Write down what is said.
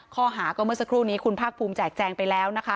ข้อหาก็เมื่อสักครู่นี้คุณภาคภูมิแจกแจงไปแล้วนะคะ